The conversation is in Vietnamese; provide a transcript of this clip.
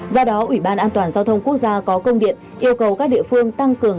do đó ủy ban an toàn giao thông quốc gia có công điện yêu cầu các địa phương tăng cường